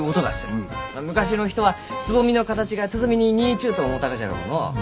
昔の人は蕾の形が鼓に似ちゅうと思うたがじゃろうのう。